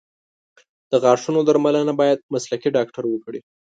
د غاښونو درملنه باید مسلکي ډاکټر وکړي.